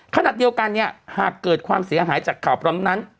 ขนาดเดียวกันนี้หากเกิดความเสียหายจากข่าวประมาณนั้น